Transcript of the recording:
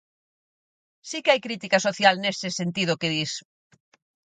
Si que hai crítica social nese sentido que dis.